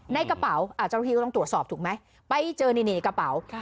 ในกระเป๋าเจ้าหน้าที่ก็ต้องตรวจสอบถูกไหมไปเจอนี่กระเป๋า